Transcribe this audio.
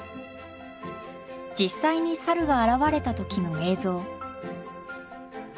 実際にサルが現れた時の映像。